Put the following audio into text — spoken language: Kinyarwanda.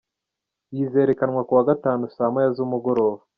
Iyi izerekanwa kuwa gatanu saa moya z’umugoroba.